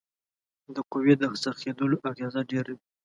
د قوې د څرخیدلو اغیزه ډیره وي.